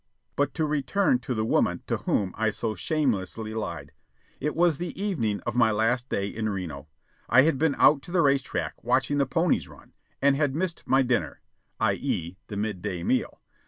But to return to the woman to whom I so shamelessly lied. It was in the evening of my last day in Reno. I had been out to the race track watching the ponies run, and had missed my dinner (i.e. the mid day meal).